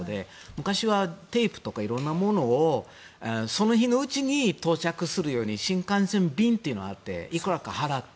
昔はテープとか色んなものをその日のうちに到着するように新幹線便というのがあっていくらか払って。